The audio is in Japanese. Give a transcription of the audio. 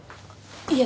いえ